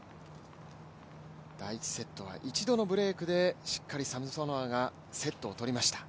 第１セットは一度のブレークでしっかりサムソノワがセットを取りました。